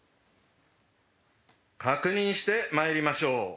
確認してまいりましょう。